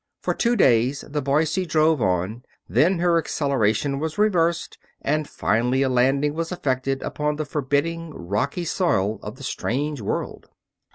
For two days the Boise drove on, then her acceleration was reversed, and finally a landing was effected upon the forbidding, rocky soil of the strange world.